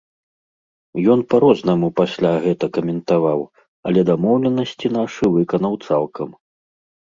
Ён па-рознаму пасля гэта каментаваў, але дамоўленасці нашы выканаў цалкам.